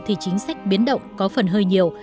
thì chính sách biến động có phần hơi nhiều